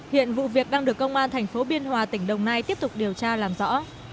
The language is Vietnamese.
hiện vụ việc đang được công an tp biên hòa tỉnh đồng nai tiếp tục điều tra làm rõ